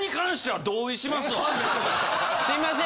すいません